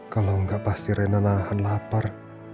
kalau nggak pasti rena nahan lapar